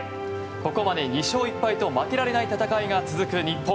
ここまで２勝１敗と負けられない戦いが続く日本。